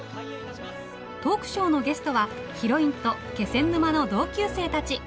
トークショーのゲストはヒロインと気仙沼の同級生たち。